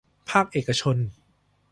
ภาคเอกชน